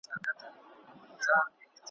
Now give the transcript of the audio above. چي دي لاس تش سو تنها سوې نو یوازي خوره غمونه `